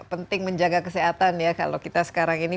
penting menjaga kesehatan ya kalau kita sekarang ini